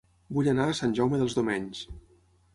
Vull anar a Sant Jaume dels Domenys